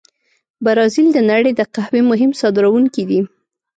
برازیل د نړۍ د قهوې مهم صادرونکي دي.